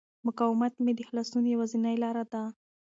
مقاومت مې د خلاصون یوازینۍ لاره وه.